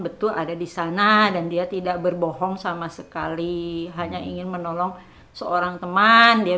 betul ada di sana dan dia tidak berbohong sama sekali hanya ingin menolong seorang teman dia